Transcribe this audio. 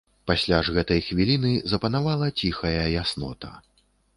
Пасля ж гэтай хвіліны запанавала ціхая яснота.